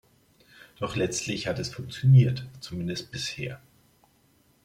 Doch letztlich hat es funktioniert, zumindest bisher.